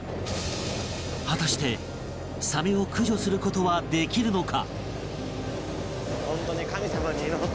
果たしてサメを駆除する事はできるのか？